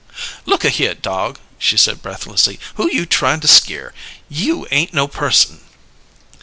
"Look a here, dog!" she said breathlessly. "Who you tryin' to skeer? You ain't no person!"